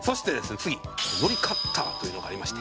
次、のりカッターというのがありまして。